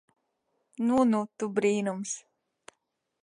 Nu nu tu brīnums.